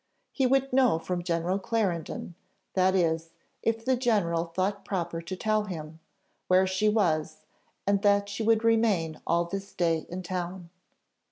He would know from General Clarendon, that is, if the general thought proper to tell him, where she was, and that she would remain all this day in town.